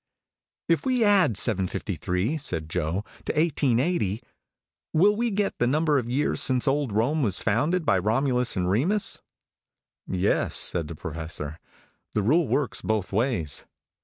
"If we add 753," said Joe, "to 1880, will we get the number of years since old Rome was founded by Romulus and Remus?" "Yes," said the Professor; "the rule works both ways.